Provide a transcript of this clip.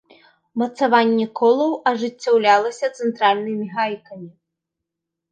Мацаванне колаў ажыццяўлялася цэнтральнымі гайкамі.